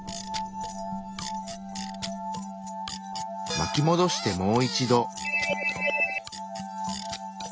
巻きもどしてもう一度。